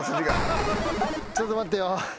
ちょっと待ってよ。